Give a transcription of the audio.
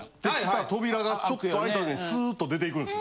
扉がちょっと開いたときにスーッと出て行くんです。